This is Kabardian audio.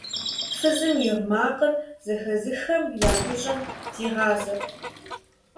Фызым и гъы макъыр зэхэзыххэм я гущӀэм зигъазэрт.